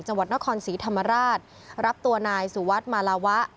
จังหวัดนครศรีธรรมราชรับตัวนายสุวัสดิ์มาลาวะ